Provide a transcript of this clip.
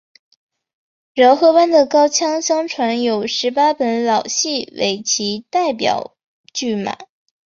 饶河班的高腔相传有十八本老戏为其代表剧码。